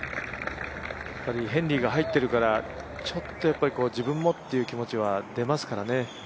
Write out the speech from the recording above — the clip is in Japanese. ヘンリーが入ってるから、ちょっと自分もという気持ちも出ますからね。